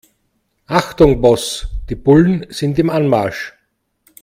Achtung Boss, die Bullen sind im Anmarsch.